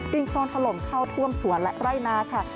โครนถล่มเข้าท่วมสวนและไร่นาค่ะ